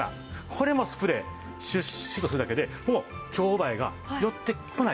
これもスプレーシュッシュッとするだけでもうチョウバエが寄ってこない。